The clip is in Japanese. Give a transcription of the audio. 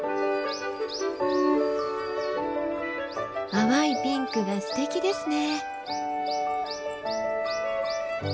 淡いピンクがすてきですね。